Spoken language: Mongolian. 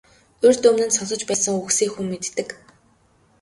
Урьд өмнө нь сонсож байсан үгсээ хүн мэддэг.